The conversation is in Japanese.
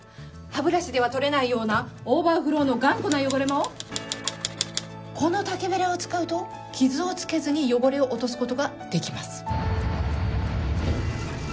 「歯ブラシでは取れないようなオーバーフローの頑固な汚れもこの竹ベラを使うと傷をつけずに汚れを落とす事ができます」